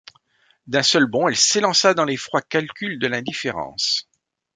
D’un seul bond, elle s’élança dans les froids calculs de l’indifférence.